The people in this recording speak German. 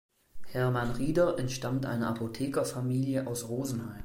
Hermann Rieder entstammt einer Apothekerfamilie aus Rosenheim.